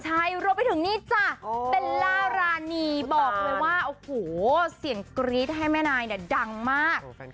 ใช่รวมไปถึงนี่จ้ะเบลล่ารานีบอกเลยว่าโอ้โหเสียงกรี๊ดให้แม่นายเนี่ยดังมาก